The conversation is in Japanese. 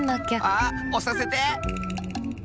あっおさせて！